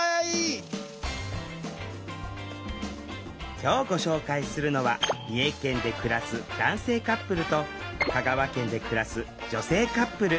今日ご紹介するのは三重県で暮らす男性カップルと香川県で暮らす女性カップル。